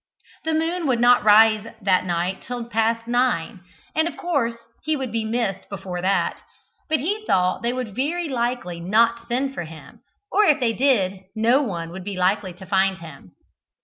The moon would not rise that night till past nine, and of course he would be missed before that; but he thought they would very likely not send for him, or if they did, no one would be likely to find him.